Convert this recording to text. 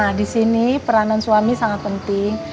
nah disini peranan suami sangat penting